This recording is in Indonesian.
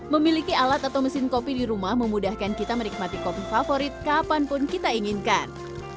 memiliki alat atau mesin kopi di rumah memudahkan kita menikmati kopi favorit kapanpun kita inginkan